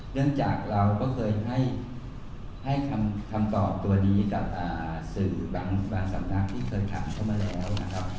เนื่องจากเราก็เคยให้คำตอบตัวนี้กับสื่อบางสำนักที่เคยถามเข้ามาแล้วนะครับ